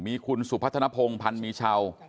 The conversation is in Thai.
มีคุณสุพัฒนภงพันธ์มีเช่า